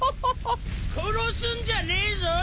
殺すんじゃねえぞ。